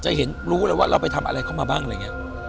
จะเห็นรู้เลยว่าเราไปทำอะไรเข้ามาบ้างอะไรอย่างนี้